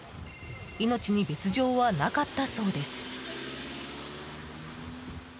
命に別条はなかったそうです。